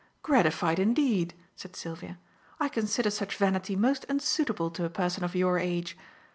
"Gratified indeed!" said Sylvia. "I consider such vanity most unsuitable to a person of your age.